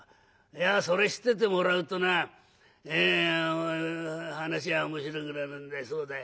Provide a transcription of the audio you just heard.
いやそれ知っててもらうとな話は面白くなるんだそうだ。